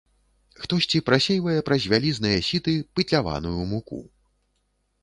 Хтосьці прасейвае праз вялізныя сіты пытляваную муку.